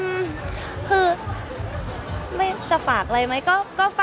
มันไม่ได้มีคนมาเขียนไม่ดีอะชุดขุดแบบนี้แล้วเราต้องไปเปิดค่ะ